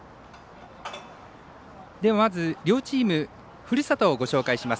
まず両チームふるさとをご紹介します。